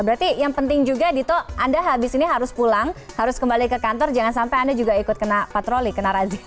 berarti yang penting juga dito anda habis ini harus pulang harus kembali ke kantor jangan sampai anda juga ikut kena patroli kena razia